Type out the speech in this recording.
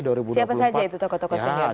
siapa saja itu tokoh tokoh senior bisa disebutkan